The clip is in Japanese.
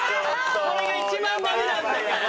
これが一番ダメなんだから。